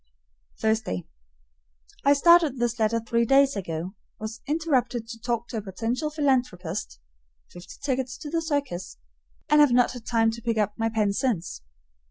Thursday. I started this letter three days ago, was interrupted to talk to a potential philanthropist (fifty tickets to the circus), and have not had time to pick up my pen since.